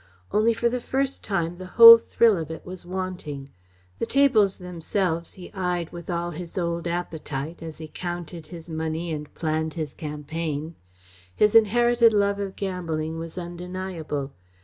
Only for the first time the whole thrill of it was wanting. The tables themselves he eyed with all his old appetite, as he counted his money and planned his campaign. His inherited love of gambling was undeniable.